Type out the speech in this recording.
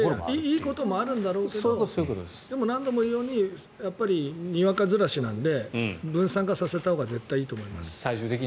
いいこともあるんだろうけど何度も言うようににわかずらしなので分散化させたほうが絶対いいと思います。